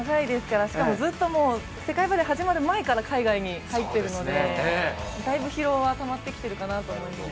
しかもずっと、世界バレー始まる前から海外に入ってるのでだいぶ疲労はたまってきているかなと思います。